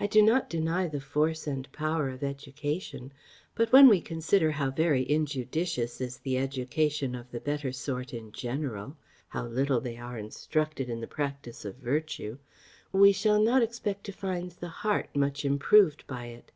I do not deny the force and power of education; but, when we consider how very injudicious is the education of the better sort in general, how little they are instructed in the practice of virtue, we shall not expect to find the heart much improved by it.